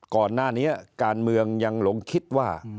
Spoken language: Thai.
ก่อนหน้านี้การเมืองยังหลงคิดว่า